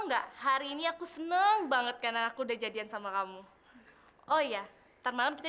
enggak hari ini aku seneng banget karena aku udah jadian sama kamu oh iya ntar malam kita